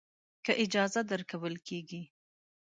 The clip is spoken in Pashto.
که اجازه درکول کېږي.